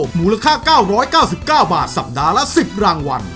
หมูราคาเก้าร้อยเก้าสิบเก้าบาทสัปดาห์ละสิบรางวัล